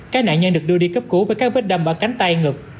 các nạn nhân được đưa đi cấp cứu với các vết đâm bằng cánh tay ngực